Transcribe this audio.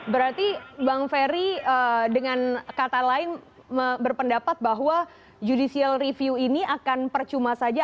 berarti bang ferry dengan kata lain berpendapat bahwa judicial review ini akan percuma saja